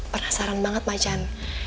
penasaran banget ma can